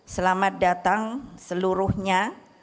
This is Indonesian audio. selamat datang seluruhnya